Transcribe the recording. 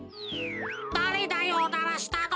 だれだよおならしたの？